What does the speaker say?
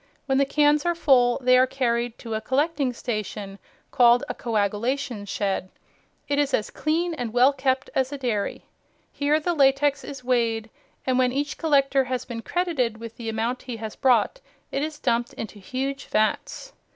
When the cans are full they are carried to a collecting station, called a Coagulation Shed. It is as clean and well kept as a dairy. Here the latex is weighed, and when each collector has been credited with the amount he has brought, it is dumped into huge vats.